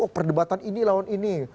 perdebatan ini lawan ini